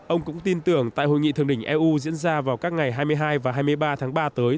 ông cũng tin tưởng tại hội nghị thượng đỉnh eu diễn ra vào các ngày hai mươi hai và hai mươi ba tháng ba tới